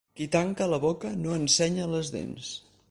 Qui tanca la boca no ensenya les dents.